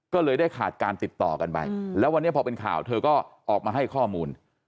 ก็เลยได้ขาดการติดต่อกันไปแล้ววันนี้พอเป็นข่าวเธอก็ออกมาให้ข้อมูล